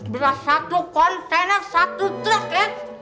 beras satu kontainer satu truk ya